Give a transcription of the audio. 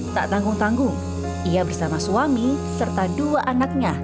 tak tanggung tanggung ia bersama suami serta dua anaknya